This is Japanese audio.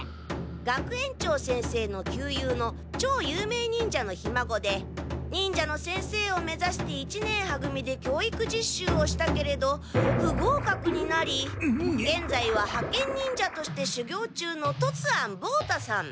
学園長先生の旧友のちょう有名忍者のひ孫で忍者の先生を目ざして一年は組で教育実習をしたけれど不合格になりげんざいははけん忍者として修行中の突庵望太さん。